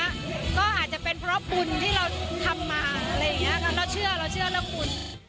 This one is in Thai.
ก็อาจจะเป็นเพราะบุญที่เราทำมาอะไรอย่างนี้ค่ะเราเชื่อเราเชื่อเรื่องบุญ